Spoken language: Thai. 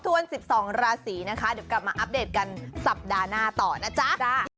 วน๑๒ราศีนะคะเดี๋ยวกลับมาอัปเดตกันสัปดาห์หน้าต่อนะจ๊ะ